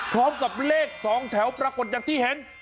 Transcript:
พร้อมกับเลข๒แถวปรากฏอย่างที่เห็น